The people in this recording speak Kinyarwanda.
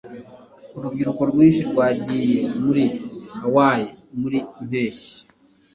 Urubyiruko rwinshi rwagiye muri Hawaii muriyi mpeshyi.